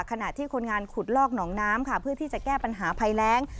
ขณะที่คนงานขุดลอกหนองน้ำค่ะเพื่อที่จะแก้ปัญหาภัยแรง